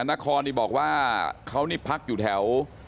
นครนี่บอกว่าเขานี่พักอยู่แถว